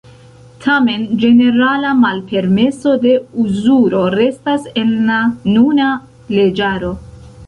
Tamen, ĝenerala malpermeso de uzuro restas en la nuna leĝaro.